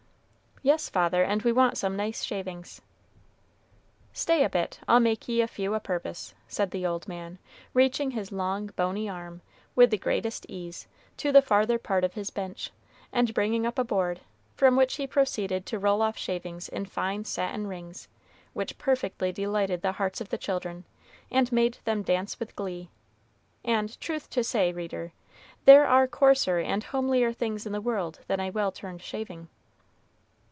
"Yes, father, and we want some nice shavings." "Stay a bit, I'll make ye a few a purpose," said the old man, reaching his long, bony arm, with the greatest ease, to the farther part of his bench, and bringing up a board, from which he proceeded to roll off shavings in fine satin rings, which perfectly delighted the hearts of the children, and made them dance with glee; and, truth to say, reader, there are coarser and homelier things in the world than a well turned shaving.